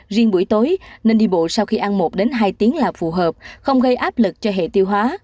riêng buổi tối nên đi bộ sau khi ăn một đến hai tiếng là phù hợp không gây áp lực cho hệ tiêu hóa